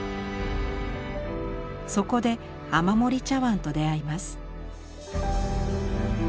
そこで雨漏茶碗と出会います。